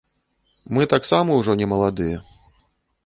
Мы таксама ўжо не маладыя.